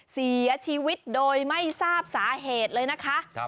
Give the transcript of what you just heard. เสียชีวิตโดยไม่ทราบสาเหตุเลยนะคะ